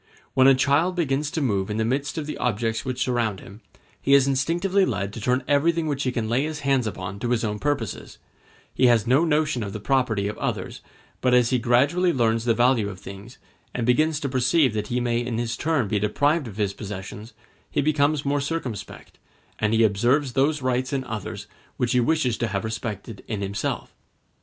When a child begins to move in the midst of the objects which surround him, he is instinctively led to turn everything which he can lay his hands upon to his own purposes; he has no notion of the property of others; but as he gradually learns the value of things, and begins to perceive that he may in his turn be deprived of his possessions, he becomes more circumspect, and he observes those rights in others which he wishes to have respected in himself.